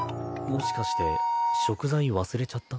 もしかして食材忘れちゃった？